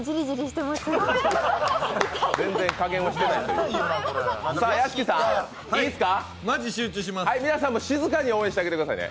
全然加減してないですね。